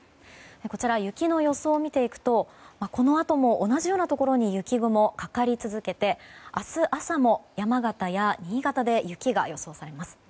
こちら、雪の予想を見ていくとこのあとも同じようなところに雪雲がかかり続けて、明日朝も山形や新潟で雪が予想されます。